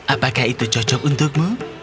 apakah itu cocok untukmu